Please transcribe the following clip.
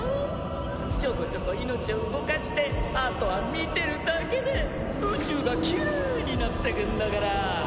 ちょこちょこ命を動かしてあとは見てるだけで宇宙がきれいになってくんだから！